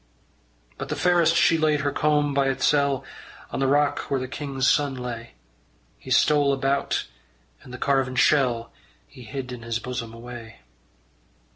But the fairest she laid her comb by itsel' On the rock where the king's son lay. He stole about, and the carven shell He hid in his bosom away.